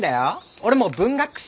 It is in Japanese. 俺もう文学士。